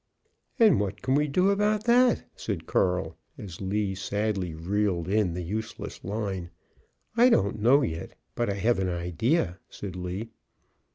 "And what can we do about that?" said Carl, as Lee sadly reeled in the useless line. "I don't know yet, but I have an idea," said Lee.